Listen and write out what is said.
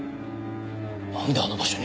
なんであの場所に？